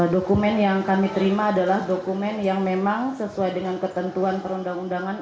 dokumen yang kami terima adalah dokumen yang memang sesuai dengan ketentuan perundang undangan